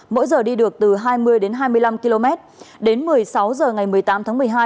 mỗi giờ đi được từ hai mươi đến hai mươi năm km đến một mươi sáu h ngày một mươi tám tháng một mươi hai